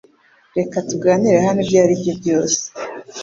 Reka tuganire hano ibyo ari byo byose